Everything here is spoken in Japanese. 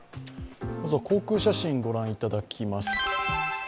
航空写真、ご覧いただきます。